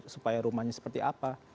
supaya rumahnya seperti apa